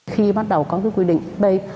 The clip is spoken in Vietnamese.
khi bắt đầu có quy định b